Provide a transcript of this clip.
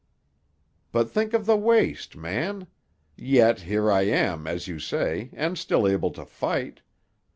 "But think of the waste, man! Yet, here I am, as you say, and still able to fight.